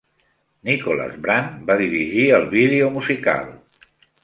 Nicholas Brandt va dirigir el vídeo musical.